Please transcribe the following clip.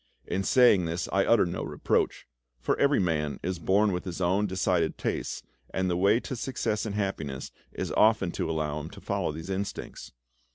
In saying this I utter no reproach, for every man is born with his own decided tastes, and the way to success and happiness is often to allow him to follow these instincts.